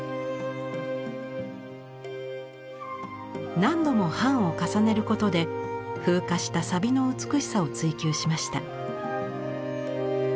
何度も版を重ねることで風化したさびの美しさを追求しました。